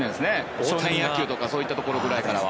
少年野球とかそういったところぐらいからは。